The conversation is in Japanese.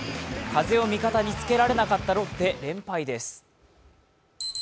風を味方につけられなかったロッテ、連敗です。